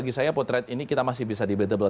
kalau itu masih bisa di betable